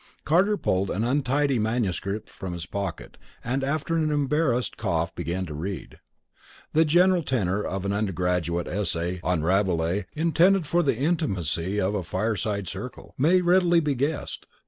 Carter pulled an untidy manuscript from his pocket, and after an embarrassed cough, began to read. The general tenor of an undergraduate essay on Rabelais, intended for the intimacy of a fireside circle, may readily be guessed.